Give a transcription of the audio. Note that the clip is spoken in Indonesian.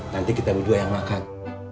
nanti kita berdua yang makan